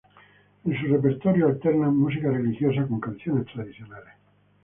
En su repertorio alternan música religiosa con canciones tradicionales.